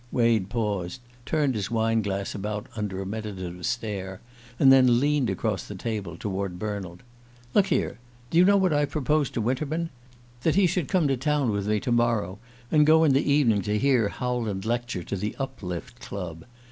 Wade paused, turned his wineglass about under a meditative stare, and then leaned across the table toward Bernald. "Look here do you know what I've proposed to Winterman? That he should come to town with me to morrow and go in the evening to hear Howland lecture to the Uplift Club.